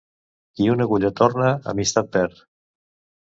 Qui una agulla torna, amistat perd.